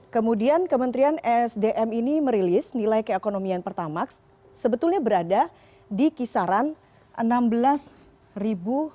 kemudian kementerian esdm ini merilis nilai keekonomian pertamax sebetulnya berada di kisaran rp enam